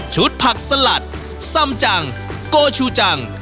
ชุดผักสลัดซ่ำจังก้อชูจัง